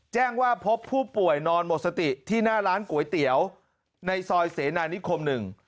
แจ้งว่าพบผู้ป่วยนอนหมดสติที่หน้าร้านก๋วยเตี๋ยวในซอยเสนานิคม๑